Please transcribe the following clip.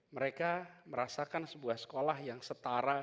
mereka merasakan sebuah sekolah yang setara